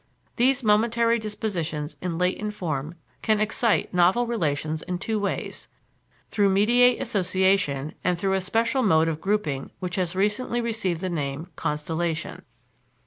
These momentary dispositions in latent form can excite novel relations in two ways through mediate association and through a special mode of grouping which has recently received the name "constellation."